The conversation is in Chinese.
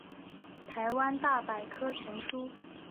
台湾大百科全书